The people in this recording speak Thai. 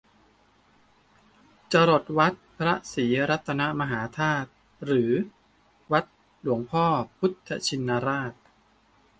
จรดวัดพระศรีรัตนมหาธาตุหรือวัดหลวงพ่อพุทธชินราช